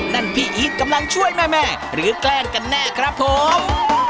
นั่นพี่อีทกำลังช่วยแม่หรือแกล้งกันแน่ครับผม